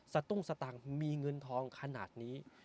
ตุ้งสตังค์มีเงินทองขนาดนี้